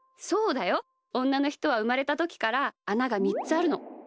そうだよ。おんなのひとはうまれたときからあなが３つあるの。